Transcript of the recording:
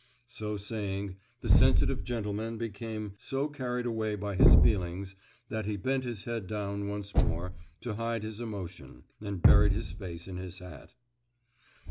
So saying, the sensitive gentleman became so carried away by his feelings that he bent his head down once more, to hide his emotion, and buried his face in his hat.